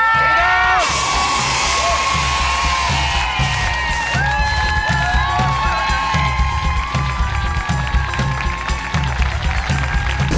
เชียงกัน